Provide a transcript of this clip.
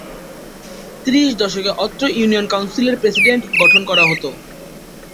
ত্রিশ দশকে অত্র ইউনিয়ন কাউন্সিলের প্রেসিডেন্ট গঠন কর হত।